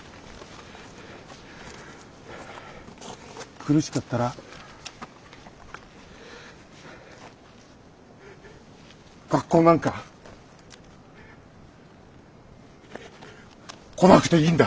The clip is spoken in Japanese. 苦しかったら学校なんか来なくていいんだ。